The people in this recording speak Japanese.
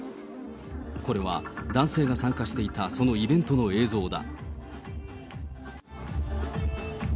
これは男性が参加していた、そのイベントの映像だ。